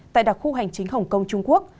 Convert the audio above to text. tại đặc khu hành chính hồng kông trung quốc